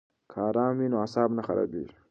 که آرام وي نو اعصاب نه خرابیږي.